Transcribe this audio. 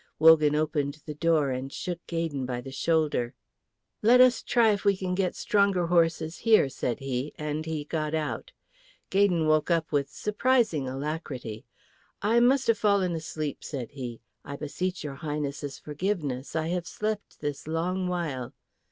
Wogan opened the door and shook Gaydon by the shoulder. "Let us try if we can get stronger horses here," said he, and he got out. Gaydon woke up with surprising alacrity. "I must have fallen asleep," said he. "I beseech your Highness's forgiveness; I have slept this long while."